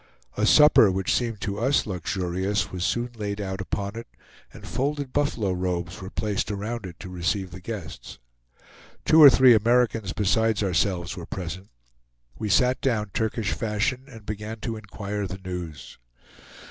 A supper, which seemed to us luxurious, was soon laid out upon it, and folded buffalo robes were placed around it to receive the guests. Two or three Americans, besides ourselves, were present. We sat down Turkish fashion, and began to inquire the news.